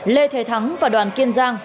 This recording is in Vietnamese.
lê thề thắng và đoàn kiên giang